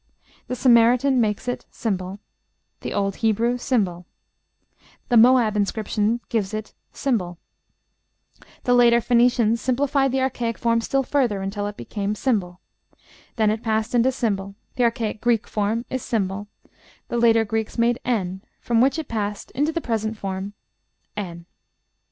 The Samaritan makes it ###; the old Hebrew ###; the Moab stone inscription gives it ###; the later Phoenicians simplified the archaic form still further, until it became ###; then it passed into ###: the archaic Greek form is ###; the later Greeks made ###, from which it passed into the present form, N.